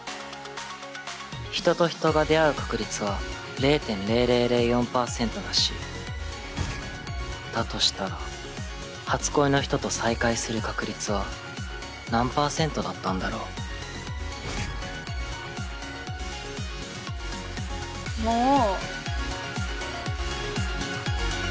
人と人が出会う確率は０．０００４％らしいだとしたら初恋の人と再会する確率は何％だったんだろうもう。